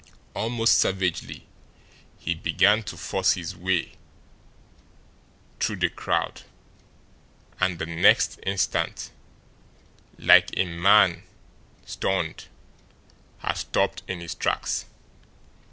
Almost savagely he began to force his way through the crowd and the next instant, like a man stunned, had stopped in his tracks.